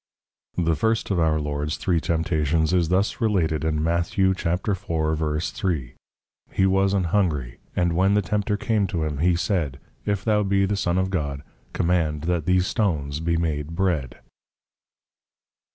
§ The first of our Lords three Temptations is thus related, in Mat. 4.3. _He was an Hungry; and when the Tempter came to him, he said, If thou be the Son of God, Command that these Stones be made Bread.